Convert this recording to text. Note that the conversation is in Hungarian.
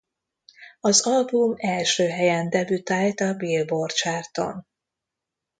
Az album első helyen debütált a Billboard Chart-on.